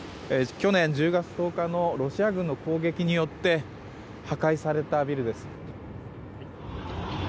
去年１０月１０日のロシア軍の攻撃によって破壊されたビルです。